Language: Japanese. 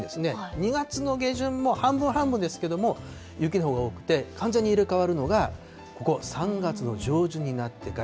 ２月の下旬も半分半分ですけれども、雪のほうが多くて、完全に入れかわるのが、ここ、３月の上旬になってから。